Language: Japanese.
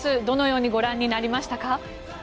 どのようにご覧になりましたか？